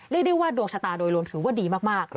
เรียกได้ว่าดวงชะตาโดยรวมถือว่าดีมาก